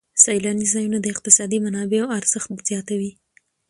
سیلاني ځایونه د اقتصادي منابعو ارزښت ډېر زیاتوي.